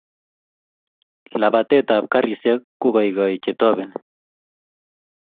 lapatetap karisiek kokaikai chetopeni